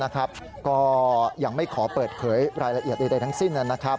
ก็ยังไม่ขอเปิดเผยรายละเอียดใดทั้งสิ้น